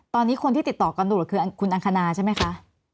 ตอนนี้คนที่ติดต่อกันดูคือคุณอังคณาใช่ไหมคะ